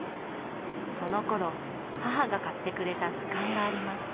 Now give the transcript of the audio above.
そのころ母が買ってくれた図鑑があります。